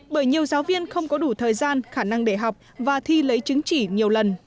bởi nhiều giáo viên không có đủ thời gian khả năng để học và thi lấy chứng chỉ nhiều lần